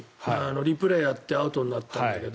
リプレーをやってアウトになったんだけど。